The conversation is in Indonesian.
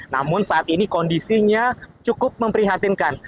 namun saat ini kondisinya cukup memprihatinkan